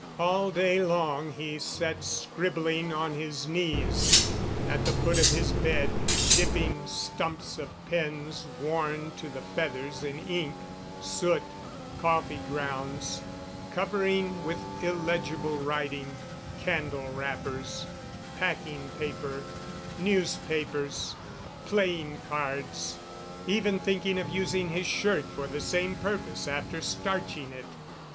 All day long he sat scribbling on his knees, at the foot of his bed, dipping stumps of pens worn to the feathers in ink, soot, coffee grounds, covering with illegible writing candle wrappers, packing paper, newspapers, playing cards, even thinking of using his shirt for the same purpose after starching it.